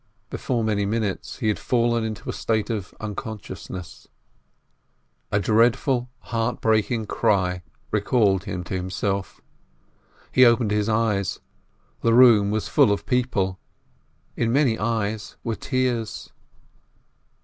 Before many minutes he had fallen into a state of unconsciousness. A dreadful, heartbreaking cry recalled him to him self. He opened his eyes. The room was full of people. In many eyes were tears.